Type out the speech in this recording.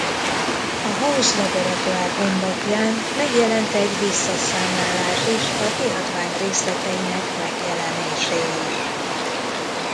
A Haus Laboratories honlapján megjelent egy visszaszámlálás is a kiadvány részleteinek megjelenéséig.